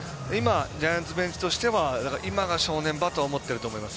ジャイアンツベンチとしては今が正念場と思ってると思います。